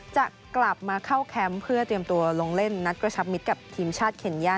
จะกลับมาเข้าแคมป์เพื่อเตรียมตัวลงเล่นนัดกระชับมิตรกับทีมชาติเคนย่า